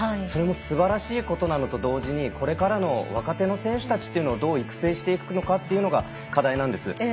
それもすばらしいことなのと同時にこれからの若手の選手たちというのをどう育成していくのかというのが課題なんです。